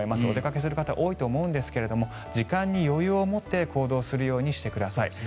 お出かけする方多いと思うんですが時間に余裕を持って行動するようにしてください。